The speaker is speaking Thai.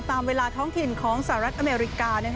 ตามเวลาท้องถิ่นของสหรัฐอเมริกา